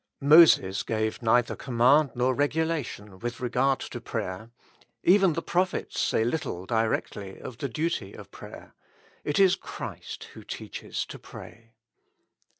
Moses gave neither command nor regulation with regard to prayer ; even the prophets say little directly of the duty of prayer ; it is Christ who teaches to pray.